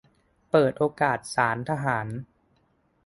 - เปิดโอกาสศาลทหาร